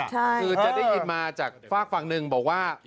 คือจะได้ยินมาจากฝากฝั่งหนึ่งบอกว่า